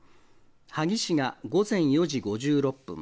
萩市が午前４時５６分。